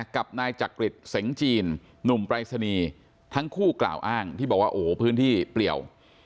กับนายจักริตเสงจีนหนุ่มปรายศนีย์ทั้งคู่กล่าวอ้างที่บอกว่าโอ้โหพื้นที่เปลี่ยว